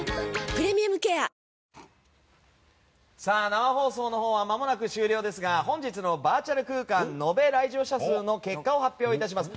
生放送のほうはまもなく終了ですが本日のバーチャル空間延べ来場者数を発表いたします。